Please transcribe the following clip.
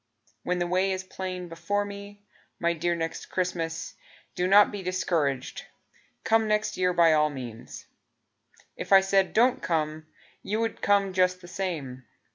When the way is plain before me. My dear Next Christmas, Do not be discouraged, Come next year by all means; If I said "Don't come" You would come just the same.